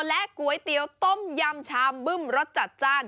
และก๋วยเตี๋ยวต้มยำชามบึ้มรสจัดจ้าน